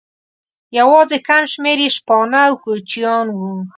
یواځې کم شمېر یې شپانه او کوچیان وو.